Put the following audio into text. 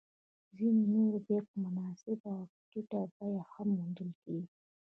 ځیني نور بیا په مناسبه او ټیټه بیه هم موندل کېږي